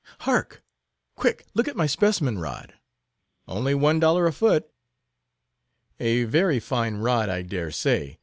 Hark! Quick—look at my specimen rod. Only one dollar a foot." "A very fine rod, I dare say.